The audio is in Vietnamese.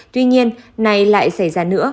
tuy nhiên này lại xảy ra nữa